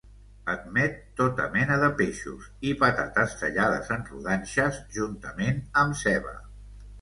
Admet tota mena de peixos i patates tallades en rodanxes juntament amb ceba.